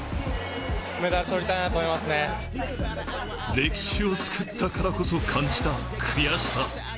歴史を作ったからこそ感じた、悔しさ。